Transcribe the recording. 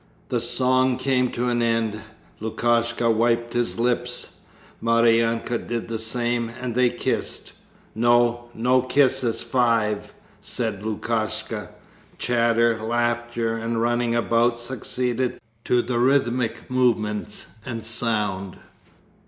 The song came to an end. Lukashka wiped his lips, Maryanka did the same, and they kissed. "No, no, kisses five!" said Lukashka. Chatter, laughter, and running about, succeeded to the rhythmic movements and sound.